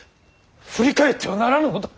振り返ってはならぬのだ。